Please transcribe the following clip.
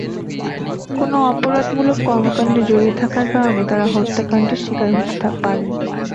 কোনো অপরাধমূলক কর্মকাণ্ডে জড়িত থাকার কারণে তাঁরা হত্যাকাণ্ডের শিকার হতে পারেন।